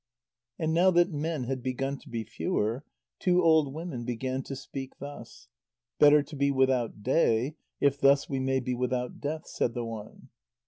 And now that men had begun to be fewer, two old women began to speak thus: "Better to be without day, if thus we may be without death," said the one.